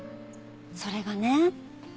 それがね